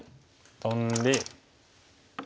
トンで。